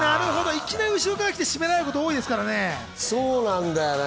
いきなり後ろから来て絞められることが多いですからね。